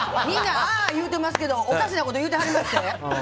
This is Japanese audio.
みんな、あー言うてますけどおかしなこと言うてはりますよ。